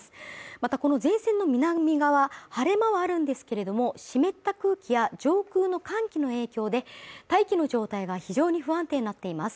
またこの前線の南側、晴れ間はあるんですけれども、湿った空気や上空の寒気の影響で大気の状態が非常に不安定になっています。